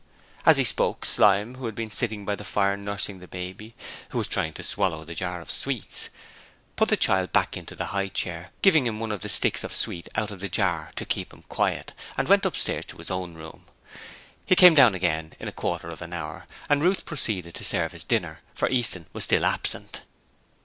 As he spoke, Slyme who had been sitting by the fire nursing the baby who was trying to swallow the jar of sweets put the child back into the high chair, giving him one of the sticks of sweet out of the jar to keep him quiet; and went upstairs to his own room. He came down again in about a quarter of an hour, and Ruth proceeded to serve his dinner, for Easton was still absent.